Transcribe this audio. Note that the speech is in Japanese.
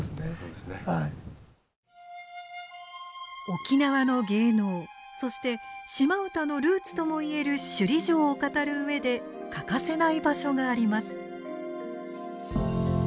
沖縄の芸能そして島唄のルーツとも言える首里城を語る上で欠かせない場所があります。